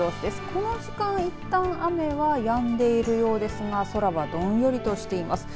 この時間、いったん雨はやんでいるようですが空は、どんよりとしています。